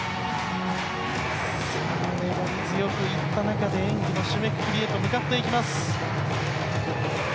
粘り強く行った中で演技も締めくくりへと向かっていきます。